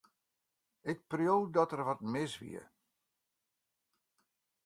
Ik preau dat der wat mis wie.